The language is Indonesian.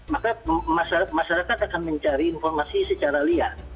maka masyarakat akan mencari informasi secara liar